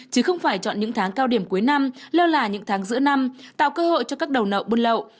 chứ không phải chọn những tháng cao điểm cuối năm lơ là những tháng giữa năm tạo cơ hội cho các đầu nậu buôn lậu